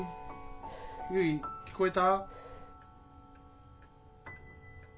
ゆい聞こえた？